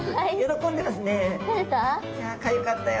「ああかゆかったよ。